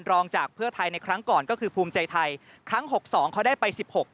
รองจากเพื่อไทยในครั้งก่อนก็คือภูมิใจไทยครั้งหกสองเขาได้ไป๑๖